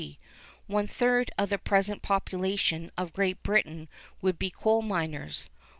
One third of the present population of Great Britain would be coal miners.